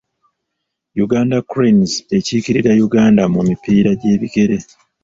Uganda cranes ekiikirira Uganda mu mipiira gy'ebigere.